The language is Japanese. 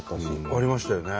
ありましたよね。